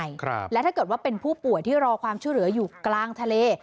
ครับและถ้าเกิดว่าเป็นผู้ป่วยที่รอความช่วยเหลืออยู่กลางทะเล